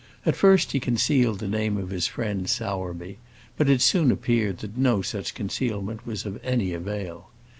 At first he concealed the name of his friend Sowerby, but it soon appeared that no such concealment was of any avail.